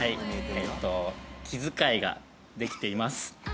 えっと気遣いができています。